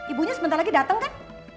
ibunya sebentar lagi datang kan